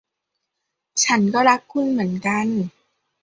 ฉันก็รักคุณเหมือนกัน